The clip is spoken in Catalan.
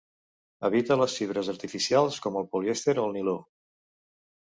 Evita les fibres artificials com el polièster o el niló.